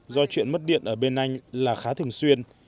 do chuyện mất điện ở bên anh là khá thường xuyên